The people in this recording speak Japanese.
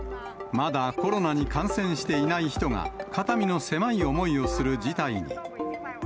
まだコロナに感染していない人が、肩身の狭い思いをする事態に。